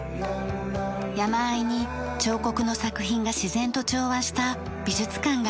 山あいに彫刻の作品が自然と調和した美術館があります。